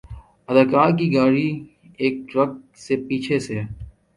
اداکارہ کی گاڑی ایک ٹرک سے پیچھے سے